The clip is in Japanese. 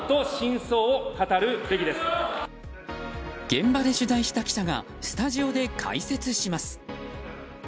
現場で取材した記者がスタジオで解説します。